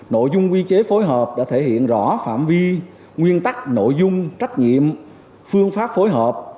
nội dung quy chế phối hợp đã thể hiện rõ phạm vi nguyên tắc nội dung trách nhiệm phương pháp phối hợp